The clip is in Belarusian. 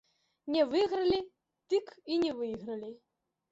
Не выйгралі, дык і не выйгралі.